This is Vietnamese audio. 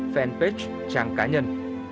fanpage trang cá nhân